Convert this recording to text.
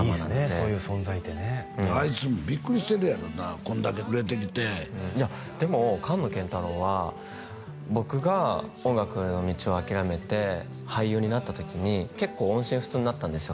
そういう存在ってねあいつビックリしてるやろなこんだけ売れてきていやでもカンノケンタロウは僕が音楽の道を諦めて俳優になった時に結構音信不通になったんですよ